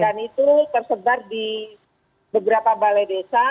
dan itu tersebar di beberapa balai desa